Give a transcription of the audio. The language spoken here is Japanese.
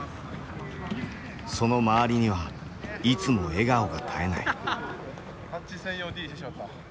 その周りにはいつも笑顔が絶えない。